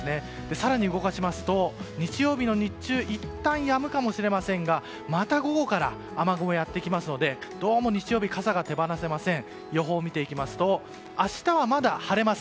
更に動かしますと、日曜日の日中いったんやむかもしれませんがまた午後から雨雲がやってきますのでどうも日曜日傘が手放せません。